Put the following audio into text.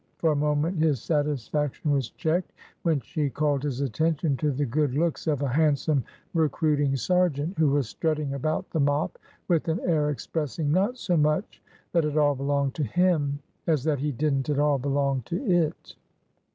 For a moment his satisfaction was checked, when she called his attention to the good looks of a handsome recruiting sergeant, who was strutting about the mop with an air expressing not so much that it all belonged to him as that he didn't at all belong to it.